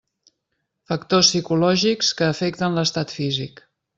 Factors psicològics que afecten l'estat físic.